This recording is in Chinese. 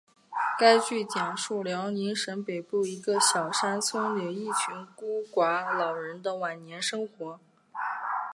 该剧讲述辽宁省北部一个小山村里一群孤寡老人的晚年生活。